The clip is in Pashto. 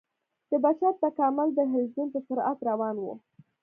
د بشر تکامل د حلزون په سرعت روان و.